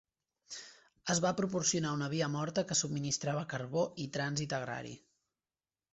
Es va proporcionar una via morta que subministrava carbó i trànsit agrari.